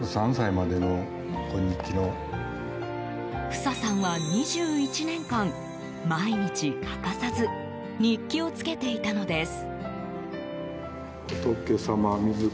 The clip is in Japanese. フサさんは２１年間、毎日欠かさず日記をつけていたのです。